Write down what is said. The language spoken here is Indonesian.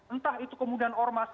entah itu kemudian ormas